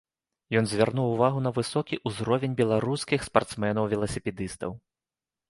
Ён звярнуў увагу на высокі ўзровень беларускіх спартсмэнаў-веласіпедыстаў.